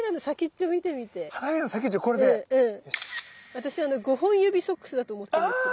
私５本指ソックスだと思ってるんですけど。